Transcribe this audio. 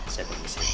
saya permisi dulu